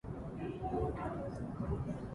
堺筋本町駅